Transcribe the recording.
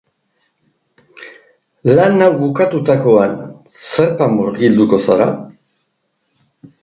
Lan hau bukatutakoan, zertan murgilduko zara?